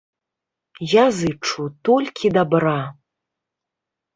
Я зычу толькі дабра.